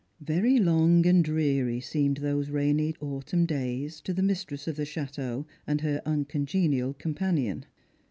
Very long and dreary seemed those rainy autumn days to the mistress of the chateau and her uncongenial companion.